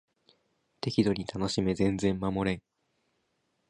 適度に楽しめ全然守れん